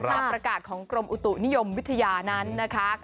ประกาศของกรมอุตุนิยมวิทยานั้นนะคะ